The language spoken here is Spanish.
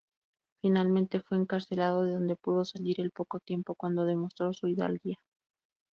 Finalmente fue encarcelado, de donde pudo salir al poco tiempo cuando demostró su hidalguía.